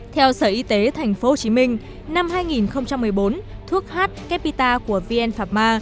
theo sở y tế tp hcm năm hai nghìn một mươi bốn thuốc h capita của vn phạm ma